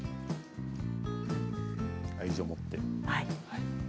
愛情を持って。